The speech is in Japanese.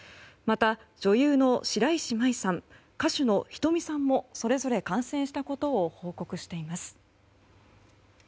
また女優の白石麻衣さん歌手のｈｉｔｏｍｉさんもそれぞれ感染したことを報告しています。